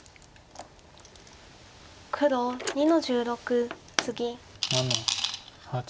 黒２の十六ツギ。